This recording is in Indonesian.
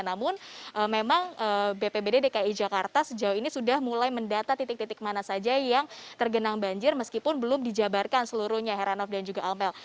namun memang bpbd dki jakarta sejauh ini sudah mulai mendata titik titik mana saja yang tergenang banjir meskipun belum dijabarkan seluruhnya heranov dan juga amel